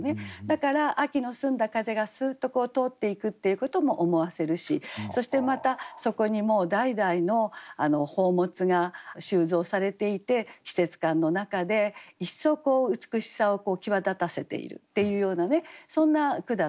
だから秋の澄んだ風がスーッと通っていくっていうことも思わせるしそしてまたそこにもう代々の宝物が収蔵されていて季節感の中で一層美しさを際立たせているっていうようなそんな句だと思います。